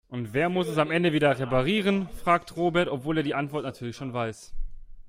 "Und wer muss es am Ende wieder reparieren?", fragt Robert, obwohl er die Antwort natürlich schon weiß.